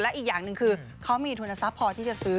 อีกอย่างหนึ่งคือเขามีทุนทรัพย์พอที่จะซื้อ